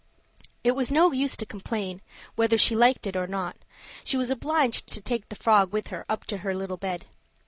It was no use to complain; whether she liked it or not, she was obliged to take the frog with her up to her little bed.